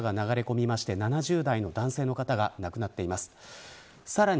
ここでは住宅７棟に土砂が流れ込みまして７０代の男性の方が亡くなっています。